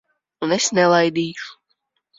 Un es nelaidīšu.